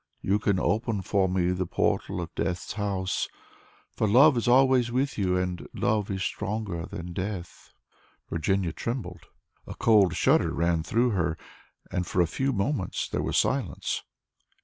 You can open for me the portals of death's house, for love is always with you, and love is stronger than death is." Virginia trembled, a cold shudder ran through her, and for a few moments there was silence.